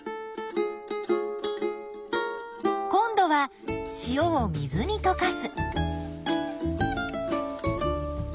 今度は塩を水にとかす。